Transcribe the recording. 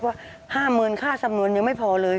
เพราะว่า๕หมื่นค่าสำนวนยังไม่พอเลย